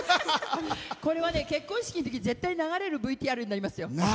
これは結婚式のときに絶対流れるＶＴＲになりますよ。